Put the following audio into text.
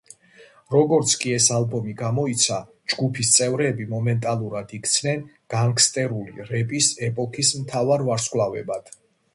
როგორც კი ეს ალბომი გამოიცა, ჯგუფის წევრები მომენტალურად იქცნენ განგსტერული რეპის ეპოქის მთავარ ვარსკვლავებად.